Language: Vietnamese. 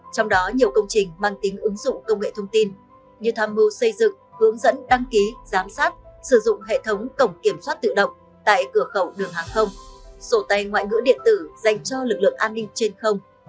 trong đó nhiều công trình mang tính ứng dụng công nghệ thông tin như tham mưu xây dựng hướng dẫn đăng ký giám sát sử dụng hệ thống cổng kiểm soát tự động tại cửa khẩu đường hàng không sổ tay ngoại ngữ điện tử dành cho lực lượng an ninh trên không